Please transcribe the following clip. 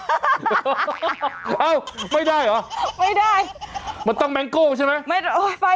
เอ้าไม่ได้เหรอมันต้องแมงโก้ใช่ไหมไม่ได้